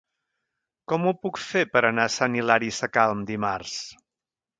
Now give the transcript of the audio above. Com ho puc fer per anar a Sant Hilari Sacalm dimarts?